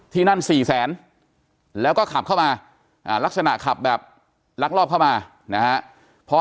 นั่น๔แสนแล้วก็ขับเข้ามาลักษณะขับแบบลักลอบเข้ามานะฮะ